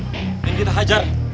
yang kita hajar